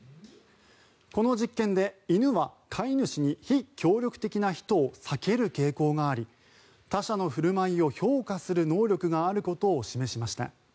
この実験で犬は飼い主に非協力的な人を避ける傾向があり他者の振る舞いを評価する能力があることを示しました。